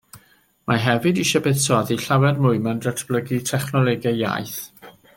Mae hefyd eisiau buddsoddi llawer mwy mewn datblygu technolegau iaith.